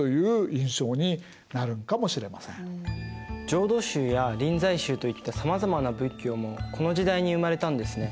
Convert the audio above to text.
浄土宗や臨済宗といったさまざまな仏教もこの時代に生まれたんですね。